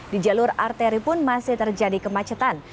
di jalur arteri pun masih terjadi kemacetan